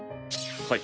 はい。